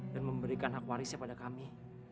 dan memberikan hak warisnya pada kami